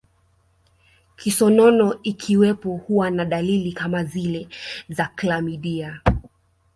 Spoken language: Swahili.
Kisonono ikiwepo huwa na dalili kama zile za klamidia